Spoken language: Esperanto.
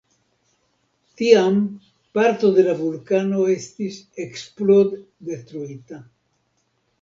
Tiam parto de la vulkano estis eksplod-detruita.